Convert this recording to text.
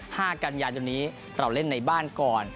ห้ากันยายนนี้เราเล่นในบ้านก่อน